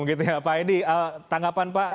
pak edi tanggapan dari anda bagaimana pak